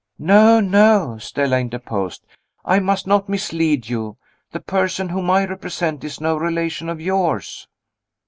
"No, no!" Stella interposed; "I must not mislead you. The person whom I represent is no relation of yours."